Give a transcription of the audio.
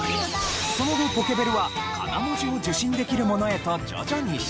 その後ポケベルはカナ文字を受信できるものへと徐々に進化。